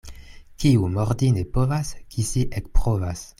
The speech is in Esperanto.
Kiu mordi ne povas, kisi ekprovas.